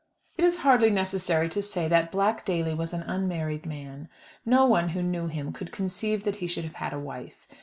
It is hardly necessary to say that Black Daly was an unmarried man. No one who knew him could conceive that he should have had a wife.